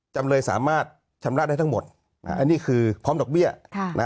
จำเลยสามารถชำระได้ทั้งหมดอันนี้คือพร้อมดอกเบี้ย